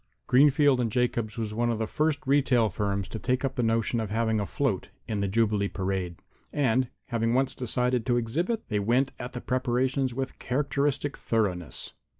Greenfield & Jacobs was one of the first retail firms to take up the notion of having a float in the Jubilee parade. And, having once decided to exhibit, they went at the preparations with characteristic thoroughness.